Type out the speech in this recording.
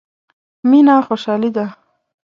مينه خوشالي ده.